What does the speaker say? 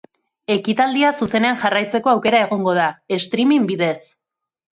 Ekitaldia zuzenean jarraitzeko aukera egongo da, streaming bidez.